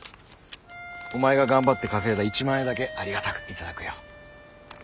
お前が頑張って稼いだ１万円だけありがたく頂くよ。